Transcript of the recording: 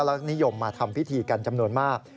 และนิยมมาทำพิธีกันจำนวนมาก